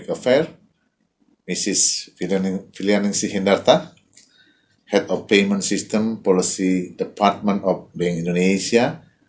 puan filianingsi hindarta ketua sistem pembelian departemen polisi bank indonesia